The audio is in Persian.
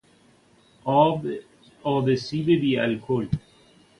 آب سیب بی الکل